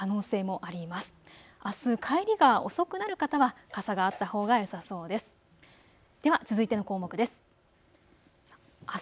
あす帰りが遅くなる方は傘があったほうがよさそうです。